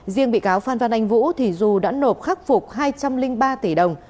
riêng bị cáo phan văn anh vũ dù đã nộp khắc phục hai trăm linh ba tỷ đồng